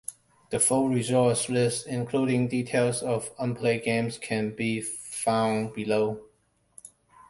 The full results list including details of unplayed games can be found below.